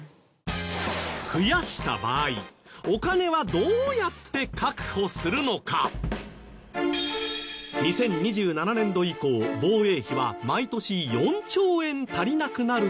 増やした場合２０２７年度以降防衛費は毎年４兆円足りなくなるといわれ。